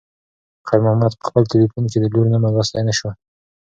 خیر محمد په خپل تلیفون کې د لور نوم لوستی نه شو.